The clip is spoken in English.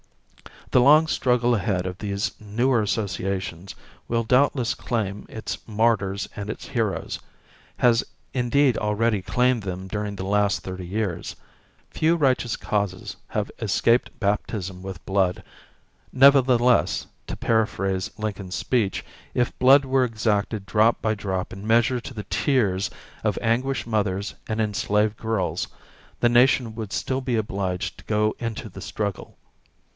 The long struggle ahead of these newer associations will doubtless claim its martyrs and its heroes, has indeed already claimed them during the last thirty years. Few righteous causes have escaped baptism with blood; nevertheless, to paraphrase Lincoln's speech, if blood were exacted drop by drop in measure to the tears of anguished mothers and enslaved girls, the nation would still be obliged to go into the struggle.